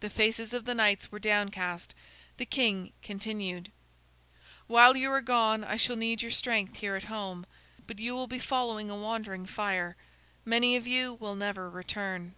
The faces of the knights were downcast. The king continued: "While you are gone, I shall need your strength here at home, but you will be following a wandering fire. Many of you will never return."